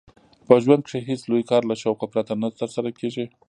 په ژوند کښي هېڅ لوى کار له شوقه پرته نه ترسره کېږي.